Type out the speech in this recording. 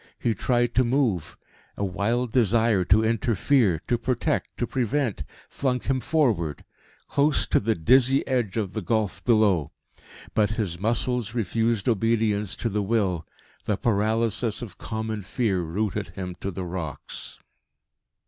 He tried to move; a wild desire to interfere, to protect, to prevent, flung him forward close to the dizzy edge of the gulf below. But his muscles refused obedience to the will. The paralysis of common fear rooted him to the rocks.